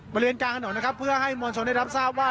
บริเวณกลางถนนนะครับเพื่อให้มวลชนได้รับทราบว่า